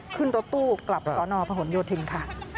เข้าข้าวของรถสอนศ